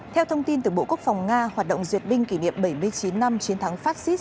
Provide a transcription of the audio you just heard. theo thông tin từ bộ quốc phòng nga hoạt động duyệt binh kỷ niệm bảy mươi chín năm chiến thắng fascist